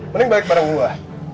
mending balik bareng gue